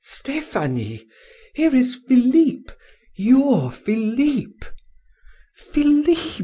"Stephanie! Here is Philip, your Philip!... Philip!"